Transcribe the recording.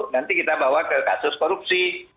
nanti kita bawa ke kasus korupsi